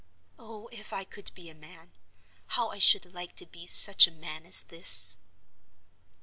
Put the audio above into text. Oh, if I could be a man, how I should like to be such a man as this!"